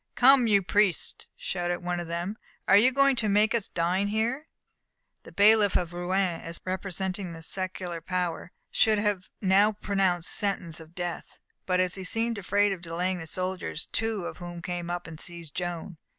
"Come, you priests!" shouted one of them, "are you going to make us dine here?" The bailiff of Rouen, as representing the secular power, should have now pronounced sentence of death, but he seemed afraid of delaying the soldiers, two of whom came up and seized Joan.